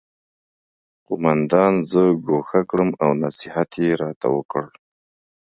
قومندان زه ګوښه کړم او نصیحت یې راته وکړ